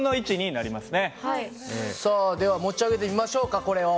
さあでは持ち上げてみましょうかこれを。